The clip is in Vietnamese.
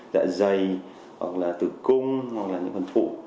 dạ dày tử cung phần phụ